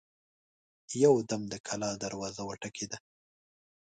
يودم د کلا دروازه وټکېده.